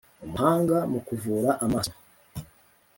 Umuhanga mu kuvura amaso